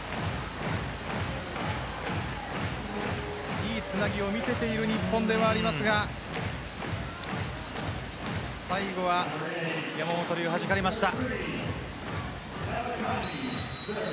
いいつなぎを見せている日本ではありますが最後は山本龍、はじかれました。